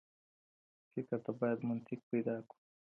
فکر ته بايد منطق پيدا کړو.